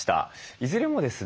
いずれもですね